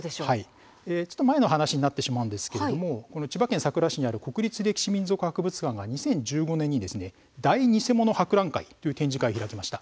ちょっと前の話になってしまいますが千葉県佐倉市にある国立歴史民俗博物館が２０１５年に大ニセモノ博覧会という展示会を開きました。